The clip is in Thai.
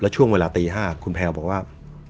แล้วช่วงเวลาตีห้าคุณแพ้วบอกว่า